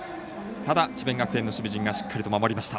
ただ、智弁学園の守備陣がしっかりと守りました。